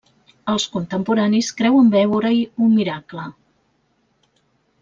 Els contemporanis creuen veure-hi un miracle.